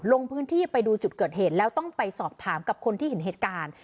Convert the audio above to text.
ลงพื้นที่ไปดูจุดเกิดเหตุแล้วต้องไปสอบถามกับคนที่เห็นเหตุการณ์